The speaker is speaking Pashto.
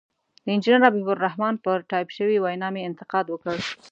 د انجنیر حبیب الرحمن پر ټایپ شوې وینا مې انتقاد وکړ.